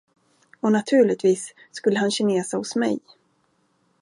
Och naturligtvis skulle han kinesa hos mig.